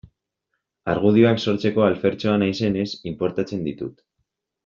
Argudioak sortzeko alfertxoa naizenez, inportatzen ditut.